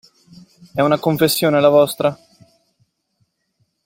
È una confessione, la vostra?